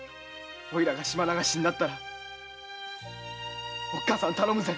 おいらが島流しになったらおっかさんを頼むぜ。